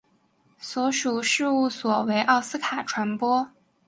所属事务所为奥斯卡传播。